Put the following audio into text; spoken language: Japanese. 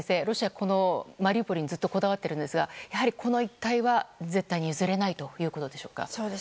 ロシア、マリウポリにずっとこだわっているんですがこの一帯は絶対に譲れないということでしょうか。